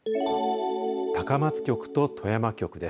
高松局と富山局です。